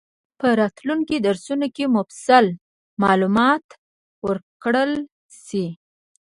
په راتلونکي درسونو کې مفصل معلومات ورکړل شي.